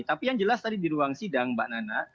tapi yang jelas tadi di ruang sidang mbak nana